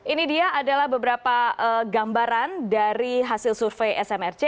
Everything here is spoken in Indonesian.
ini dia adalah beberapa gambaran dari hasil survei smrc